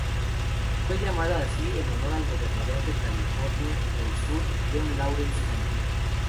Fue llamada así en honor al gobernador de Carolina del Sur John Laurence Manning.